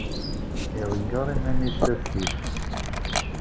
Iḍeggeṛ iman-is s asif.